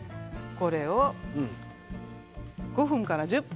これを５分から１０分。